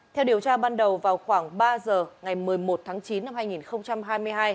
theo điều tra ban đầu vào khoảng ba giờ ngày một mươi một tháng chín năm hai nghìn hai mươi hai